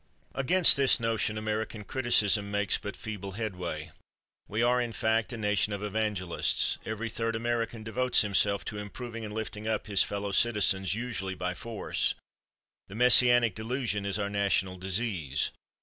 Against this notion American criticism makes but feeble headway. We are, in fact, a nation of evangelists; every third American devotes himself to improving and lifting up his fellow citizens, usually by force; the messianic delusion is our national disease.